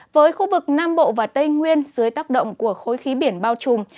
với khu vực nam bộ và tây nguyên dưới tác động của khối khí biển bao trùm